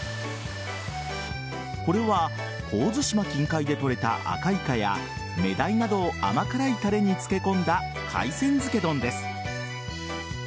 これは神津島近海で取れたアカイカやメダイなどを甘辛いタレに漬け込んだ海鮮漬け丼です。